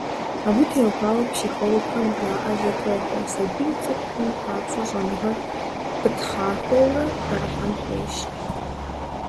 Абы теухуауэ психологхэм жаӀэр зэтохуэ: сабийр цӀыху хъун папщӀэ щӀэныгъэр пытхъахуэурэ Ӏэрыхьэн хуейщ.